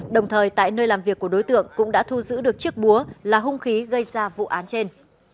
đồng thời tại nơi làm việc của đối tượng cũng đã thu giữ được chiếc búa là hung khí gây ra vụ án trên